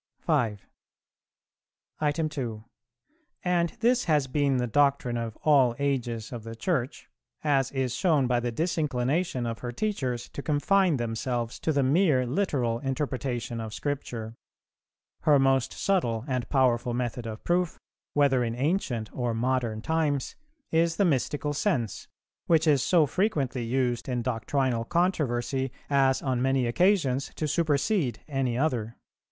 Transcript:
5. 2. And this has been the doctrine of all ages of the Church, as is shown by the disinclination of her teachers to confine themselves to the mere literal interpretation of Scripture. Her most subtle and powerful method of proof, whether in ancient or modern times, is the mystical sense, which is so frequently used in doctrinal controversy as on many occasions to supersede any other.